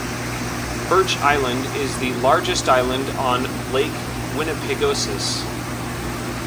Birch Island is the largest island on Lake Winnipegosis.